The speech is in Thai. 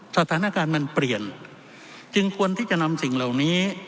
สถานการณ์มันเปลี่ยนจึงควรที่จะนำสิ่งเหล่านี้